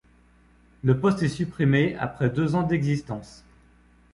Le poste est supprimé après deux ans d'existence.